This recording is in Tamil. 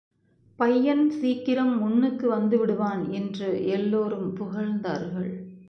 பையன் சீக்கிரம் முன்னுக்கு வந்துவிடுவான் என்று எல்லோரும் புகழ்ந்தார்கள்.